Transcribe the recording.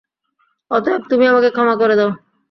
অতএব, তুমি আমাকে ক্ষমা করে দাও।